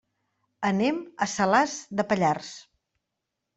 Anem a Salàs de Pallars.